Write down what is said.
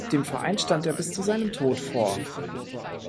Dem Verein stand er bis zu seinem Tod vor.